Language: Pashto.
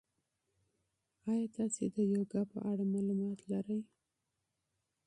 ایا تاسي د یوګا په اړه معلومات لرئ؟